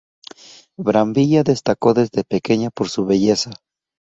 Brambilla destacó desde pequeña por su belleza.